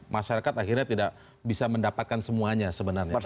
masyarakat akhirnya tidak bisa mendapatkan semuanya sebenarnya